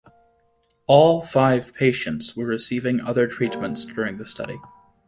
All five patients were receiving other treatments during the study.